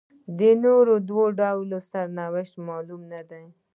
د نورو دوو ډلو سرنوشت معلوم نه دی.